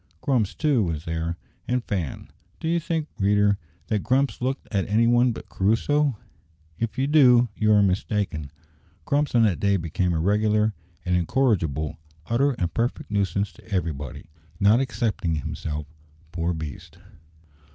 Grumps, too, was there, and Fan. Do you think, reader, that Grumps looked at any one but Crusoe? If you do, you are mistaken. Grumps on that day became a regular, an incorrigible, utter, and perfect nuisance to everybody not excepting himself, poor beast!